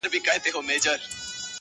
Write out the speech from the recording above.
هغه په تېښته پهلوان د سورلنډیو لښکر،